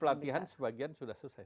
pelatihan sebagian sudah selesai